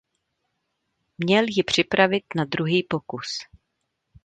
Měl ji připravit na druhý pokus.